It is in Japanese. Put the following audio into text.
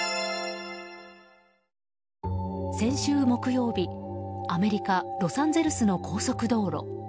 先週木曜日、アメリカロサンゼルスの高速道路。